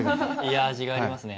いや味がありますね。